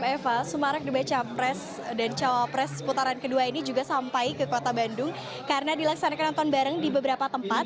halo eva sumarak di baca pres dan cawapres putaran kedua ini juga sampai ke kota bandung karena dilaksanakan nonton bareng di beberapa tempat